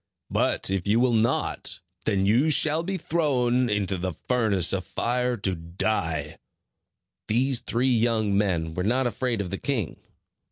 But if you will not, then you shall be thrown into the furnace of fire, to die." These three young men were not afraid of the king.